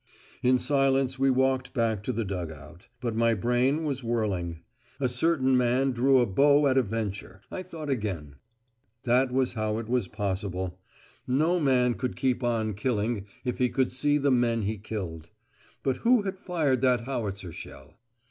In silence we walked back to the dug out. But my brain was whirling. "A certain man drew a bow at a venture," I thought again. That was how it was possible. No man could keep on killing, if he could see the men he killed. Who had fired that howitzer shell?